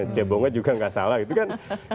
cebongnya juga tidak salah gitu kan